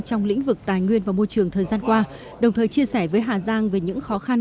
trong lĩnh vực tài nguyên và môi trường thời gian qua đồng thời chia sẻ với hà giang về những khó khăn